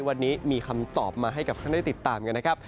วันนี้มีคำตอบมาให้กับท่านได้ติดตามกันนะครับ